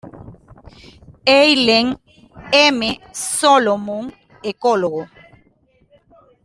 Allen M. Solomon, ecólogo"